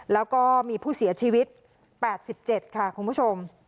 แล้วก็มีผู้เสียชีวิต๘๗ค่ะคุณผู้ชม